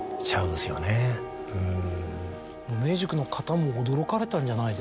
無名塾の方も驚かれたんじゃないですか。